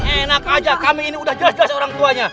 enak aja kami ini udah jelas jelas orang tuanya